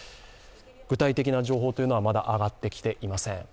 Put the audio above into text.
具体的な情報はまだ上がってきていません。